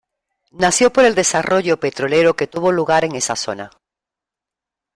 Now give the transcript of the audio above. Nació por el desarrollo petrolero que tuvo lugar en esa zona.